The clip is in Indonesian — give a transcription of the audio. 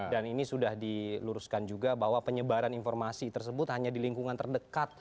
dan ini sudah diluruskan juga bahwa penyebaran informasi tersebut hanya di lingkungan terdekat